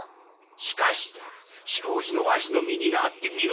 しかしだ城オジのわしの身になってみろ。